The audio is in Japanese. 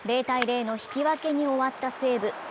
０−０の引き分けに終わった西武。